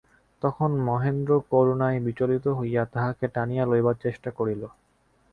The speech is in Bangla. তখন মহেন্দ্র করুণায় বিচলিত হইয়া তাহাকে টানিয়া লইবার চেষ্টা করিল।